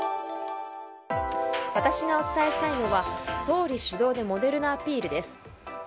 私がお伝えしたいのは総理主導でモデルナアピールです。